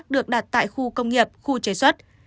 được đặt tại khu công nghiệp khu chế xuất